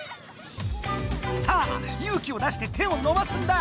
さあ勇気を出して手をのばすんだ！